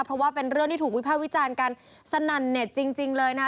เพราะว่าเป็นเรื่องที่ถูกวิภาควิจารณ์กันสนั่นเน็ตจริงเลยนะคะ